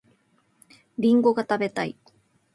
りんごが食べたい